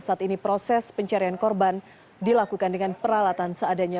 saat ini proses pencarian korban dilakukan dengan peralatan seadanya